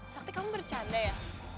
sakti kamu bercanda ya